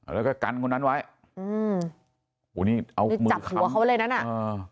แล้วก็กันคนนั้นไว้อืมโอ้นี่เอานี่จับหัวเขาไว้เลยนั้นอ่ะเออ